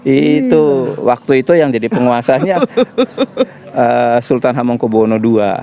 itu waktu itu yang jadi penguasanya sultan hamengkubwono ii